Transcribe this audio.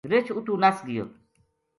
رچھ اُتو نس گیو